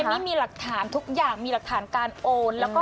อันนี้มีหลักฐานทุกอย่างมีหลักฐานการโอนแล้วก็